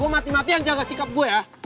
gue mati mati yang jaga sikap gue ya